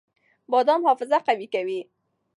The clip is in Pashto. بادام حافظه قوي کوي.